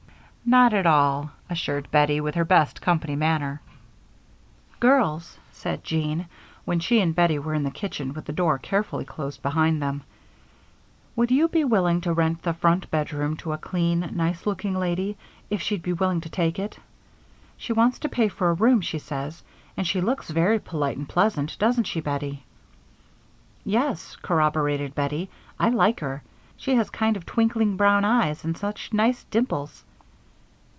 "Not at all," assured Bettie, with her best company manner. "Girls," said Jean, when she and Bettie were in the kitchen with the door carefully closed behind them, "would you be willing to rent the front bedroom to a clean, nice looking lady if she'd be willing to take it? She wants to pay for a room, she says, and she looks very polite and pleasant, doesn't she, Bettie?" "Yes," corroborated Bettie, "I like her. She has kind of twinkling brown eyes and such nice dimples."